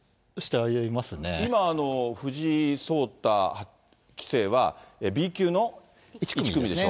今、藤井聡太棋聖は、Ｂ級の１組でしょ。